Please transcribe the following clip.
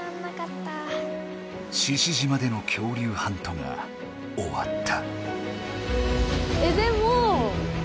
獅子島での恐竜ハントがおわった。